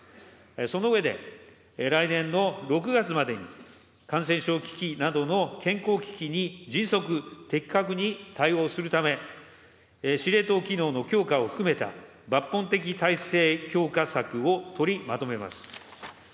その上で、来年の６月までに、感染症危機などの健康危機に迅速・的確に対応するため、司令塔機能の強化を含めた抜本的体制強化策を取りまとめます。